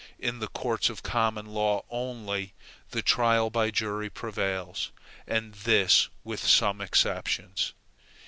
In the courts of common law only, the trial by jury prevails, and this with some exceptions.